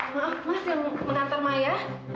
maaf mas yang mengantar maya